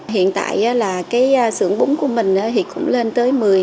hiện tại là cái sưởng bún của mình thì cũng lên tới một mươi hai máy